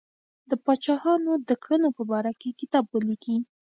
د پاچاهانو د کړنو په باره کې کتاب ولیکي.